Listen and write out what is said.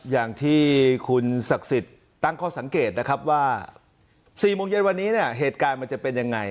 อย่างที่คุณซักสิทธิบุญรัฐตั้งข้อสังเกตนะครับว่าสี่มงเย็นในวันนี้เนี่ยเหตุการณ์มันจะเป็นอย่างไร